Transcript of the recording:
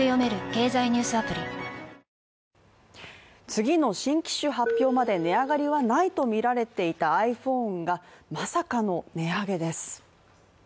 次の新機種発表まで値上がりはないとみられていたｉＰｈｏｎｅがまさかの値上げです。